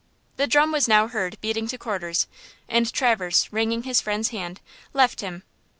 The drum was now heard beating to quarters, and Traverse, wringing his friend's hand, left him.